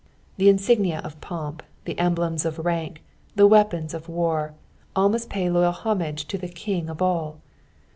The insignia of pomp, the emblems of rank, the weapons of war, all must pay loyal homage to the King of all.